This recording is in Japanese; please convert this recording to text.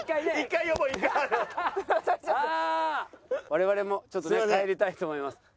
我々もちょっとね帰りたいと思います。